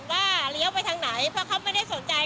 แต่เขาไม่เห็นว่าเลี้ยวไปทางไหนเพราะเขาไม่ได้สนใจ